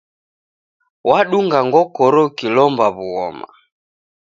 Wadunga ngokoro ukilomba w'ughoma.